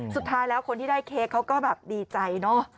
สุดท้ายแล้วคนที่ได้เค้กเขาก็แบบดีใจเนอะ